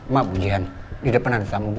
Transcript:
maaf bu jihan di depan ada tamu bu